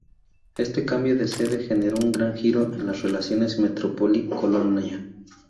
Este cambio de sede generó un gran giro en las relaciones metrópoli-colonia.